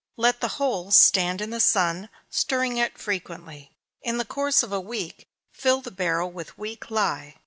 Let the whole stand in the sun, stirring it frequently. In the course of a week, fill the barrel with weak lye.